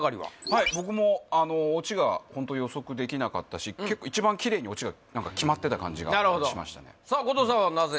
はい僕もオチがホント予測できなかったし結構一番キレイにオチが何か決まってた感じがしましたねさあ後藤さんはなぜ？